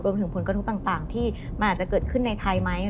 ถึงผลกระทบต่างที่มันอาจจะเกิดขึ้นในไทยไหม